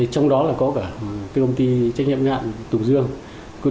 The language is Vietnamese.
trong đó là có cả cái công ty trách nhiệm ngạn tùng dương